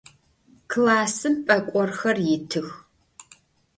Klassım p'ek'orxer yitıx.